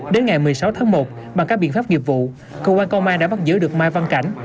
đến ngày một mươi sáu tháng một bằng các biện pháp nghiệp vụ cơ quan công an đã bắt giữ được mai văn cảnh